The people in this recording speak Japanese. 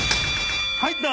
入った。